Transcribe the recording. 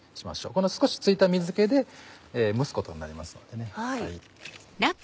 この少し付いた水気で蒸すことになりますのでね。